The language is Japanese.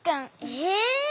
え？